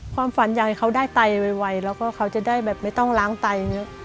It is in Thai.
ความฝันอยากให้เขาได้ไตไวแล้วก็เขาจะได้แบบไม่ต้องล้างไตอย่างนี้